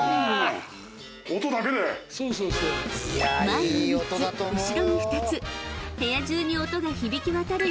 ［前に３つ後ろに２つ］